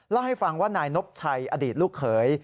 เล่าให้ฟังว่านายนบชัยอดีตลูกเขย